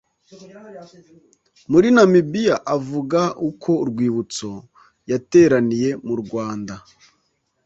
muri Namibiya avuga uko Urwibutso yateraniye murwanda